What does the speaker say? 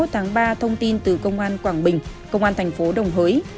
hai mươi tháng ba thông tin từ công an quảng bình công an thành phố đồng hới